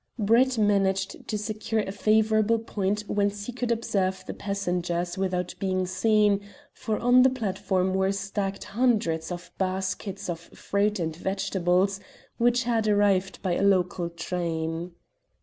Brett managed to secure a favourable point whence he could observe the passengers without being seen, for on the platform were stacked hundreds of baskets of fruit and vegetables which had arrived by a local train.